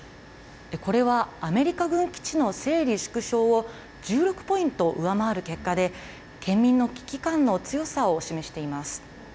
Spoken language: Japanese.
これは、アメリカ軍基地の整理・縮小を１６ポイント上回る結果で、県民の危機感の強さを示しています。